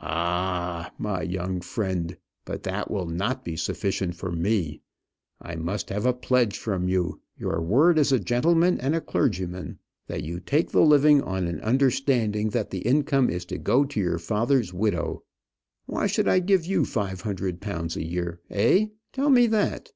"Ah h h h, my young friend! but that will not be sufficient for me. I must have a pledge from you your word as a gentleman and a clergyman, that you take the living on an understanding that the income is to go to your father's widow. Why should I give you five hundred pounds a year? Eh? Tell me that.